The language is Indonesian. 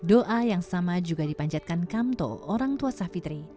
doa yang sama juga dipanjatkan kamto orang tua savitri